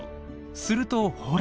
するとほら。